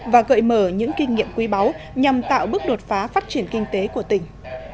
và gợi mở những kinh nghiệm quý báu nhằm tạo bước đột phá phát triển kinh tế của tỉnh